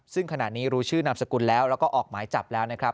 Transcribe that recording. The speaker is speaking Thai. ซึ่งขณะนี้รู้ชื่อนามสกุลแล้วและออกหมายจับแล้ว